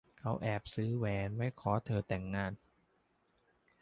เขาแอบซื้อแหวนไว้ขอเธอแต่งงาน